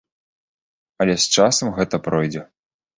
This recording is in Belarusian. Але з часам гэта пройдзе.